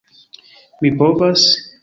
Mi povas?